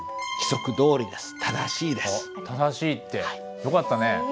正しいってよかったね。